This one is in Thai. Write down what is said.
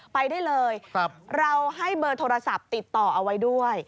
ไปได้เลยเราให้เบอร์โทรศัพท์ติดต่อเอาไว้ด้วย